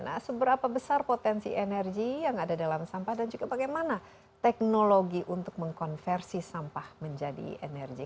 nah seberapa besar potensi energi yang ada dalam sampah dan juga bagaimana teknologi untuk mengkonversi sampah menjadi energi